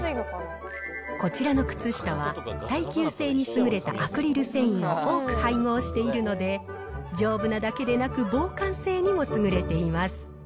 こちらの靴下は、耐久性に優れたアクリル繊維を多く配合しているので、丈夫なだけでなく、防寒性にも優れています。